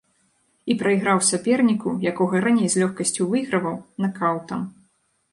І прайграў саперніку, якога раней з лёгкасцю выйграваў, накаўтам.